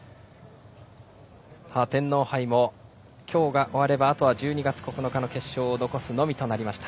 天皇杯も今日が終わればあとは１２月９日の決勝を残すのみとなりました。